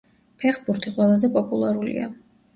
ფეხბურთი ყველაზე პოპულარულია.